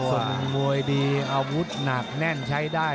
ส่วนมวยดีอาวุธหนักแน่นใช้ได้